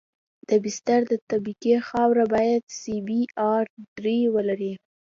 د بستر د طبقې خاوره باید سی بي ار درې ولري